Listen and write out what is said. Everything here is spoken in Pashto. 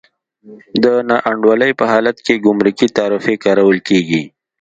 د نا انډولۍ په حالت کې ګمرکي تعرفې کارول کېږي.